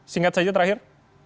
singkat saja terakhir